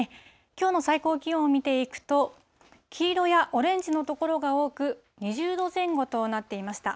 きょうの最高気温を見ていくと、黄色やオレンジの所が多く、２０度前後となっていました。